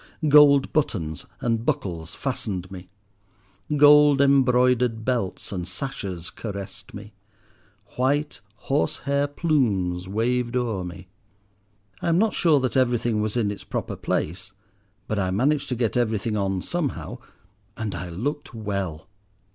Gold buttons and buckles fastened me, gold embroidered belts and sashes caressed me, white horse hair plumes waved o'er me. I am not sure that everything was in its proper place, but I managed to get everything on somehow, and I looked well.